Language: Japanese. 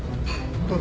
どうぞ。